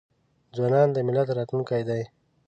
ځوانان د ملت راتلونکې دي.